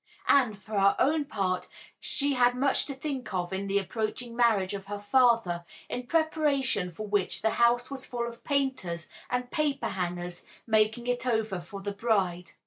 And, for her own part, she had much to think of in the approaching marriage of her father, in preparation for which the house was full of painters and paper hangers, making it over for the bride.